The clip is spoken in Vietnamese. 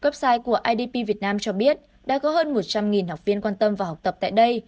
website của idp việt nam cho biết đã có hơn một trăm linh học viên quan tâm và học tập tại đây